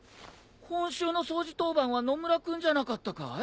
今週の掃除当番は野村君じゃなかったかい？